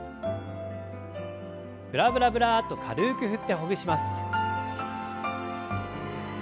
ブラブラブラッと軽く振ってほぐします。